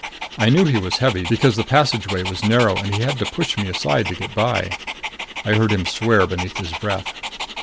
I knew he was heavy, because the passageway was narrow and he had to push me aside to get by. I heard him swear beneath his breath.